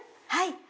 はい。